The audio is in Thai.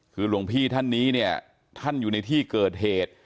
คือหลวงพี่ท่านนี้เนี่ยท่านอยู่ในที่เกิดเหตุ